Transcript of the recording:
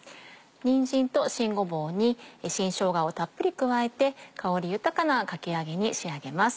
にんじんと新ごぼうに新しょうがをたっぷり加えて香り豊かなかき揚げに仕上げます。